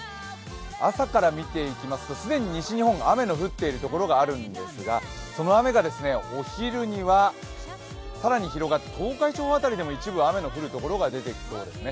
朝から見ていきますと既に西日本、雨が降っているところがあるんですがその雨がお昼には、更に広がって東海地方辺りでも一部雨の降る所が出てきそうですね。